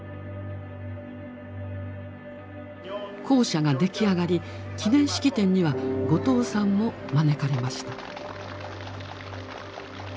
校舎が出来上がり記念式典には後藤さんも招かれました。